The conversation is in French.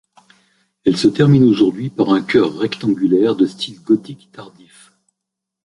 Elle se termine aujourd'hui par un chœur rectangulaire de style gothique tardif.